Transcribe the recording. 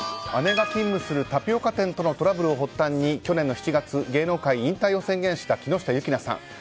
姉が勤務するタピオカ店とのトラブルを発端に去年の７月芸能界引退を宣言した木下優樹菜さん。